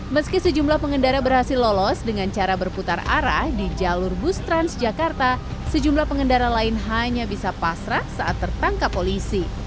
meski sejumlah pengendara berhasil lolos dengan cara berputar arah di jalur bus transjakarta sejumlah pengendara lain hanya bisa pasrah saat tertangkap polisi